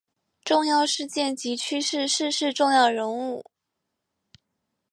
重要事件及趋势逝世重要人物